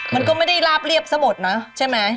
มันก็ไม่ได้ลาบเรียบสะบดเนอะใช่ไหม